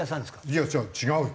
いや違うよ。